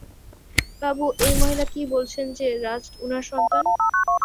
বাবু, এই মহিলা কী বলছেন যে, রাজ উনার সন্তান।